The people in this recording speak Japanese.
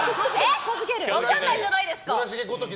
分からないじゃないですか。